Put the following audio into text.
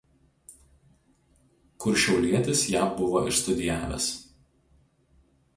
Kur šiaulietis ją buvo išstudijavęs